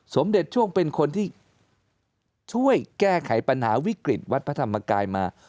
สมเด็จช่วงเป็นคนที่ช่วยแก้ไขปัญหาวิกฤตวัดพระธรรมกายมา